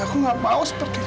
aku gak mau seperti itu